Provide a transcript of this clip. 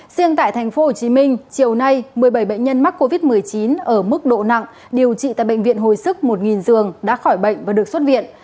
riêng tại tp hcm chiều nay một mươi bảy bệnh nhân mắc covid một mươi chín ở mức độ nặng điều trị tại bệnh viện hồi sức một giường đã khỏi bệnh và được xuất viện